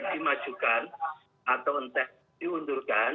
dimajukan atau entah diundurkan